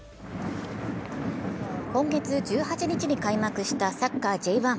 今月１８日に開幕したサッカー・Ｊ１。